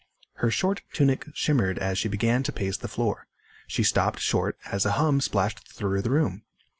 Her short tunic shimmered as she began to pace the floor. She stopped short as a hum splashed through the room.